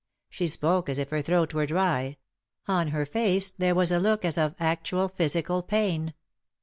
She spoke as if her throat were dry ; on her face there was a look as of actual physical pain.